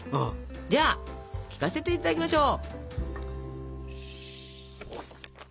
じゃあ聞かせていただきましょう！